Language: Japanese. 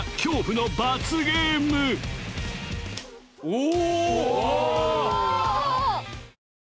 お！